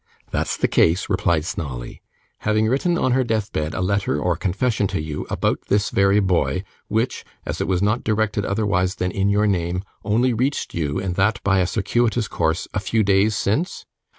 'That's the case,' replied Snawley. 'Having written on her death bed a letter or confession to you, about this very boy, which, as it was not directed otherwise than in your name, only reached you, and that by a circuitous course, a few days since?